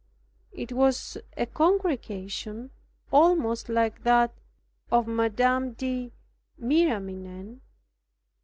It was a congregation almost like that of Madame de Miramion.